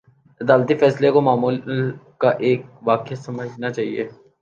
عدالتی فیصلے کو معمول کا ایک واقعہ سمجھنا چاہیے۔